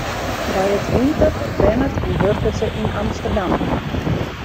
By 't winter wennet en wurket se yn Amsterdam.